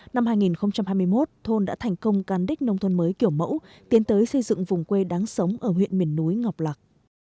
năm hai nghìn hai mươi một thôn đã thành công cán đích nông thôn mới kiểu mẫu tiến tới xây dựng vùng quê đáng sống ở huyện miền núi ngọc lạc